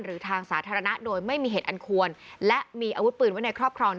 หรือทางสาธารณะโดยไม่มีเหตุอันควรและมีอาวุธปืนไว้ในครอบครอง